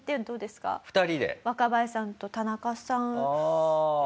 若林さんと田中さん。